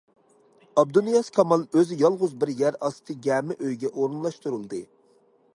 ئابدۇنىياز كامال ئۆزى يالغۇز بىر يەر ئاستى گەمە ئۆيگە ئورۇنلاشتۇرۇلدى.